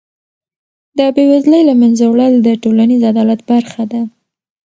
د بېوزلۍ له منځه وړل د ټولنیز عدالت برخه ده.